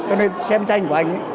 cho nên xem tranh của anh ấy